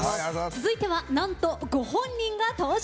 続いては何とご本人が登場。